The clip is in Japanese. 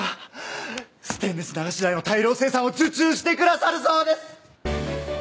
ステンレス流し台の大量生産を受注してくださるそうです！